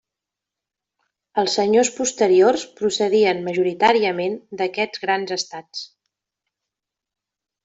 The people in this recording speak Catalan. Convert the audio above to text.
Els senyors posteriors procedien majoritàriament d'aquests grans estats.